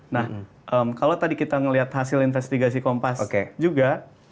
nah kalau tadi kita melihat hasil investigasi kompas juga